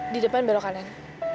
di depan belok kanan